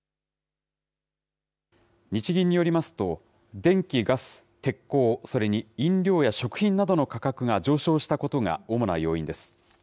日銀によりますと、電気・ガス、鉄鋼、それに飲料や食品などの価格が上昇したことが主な要因です。